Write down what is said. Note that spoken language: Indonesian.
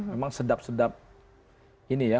memang sedap sedap ini ya